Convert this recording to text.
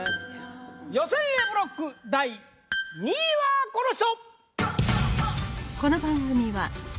予選Ａブロック第２位はこの人！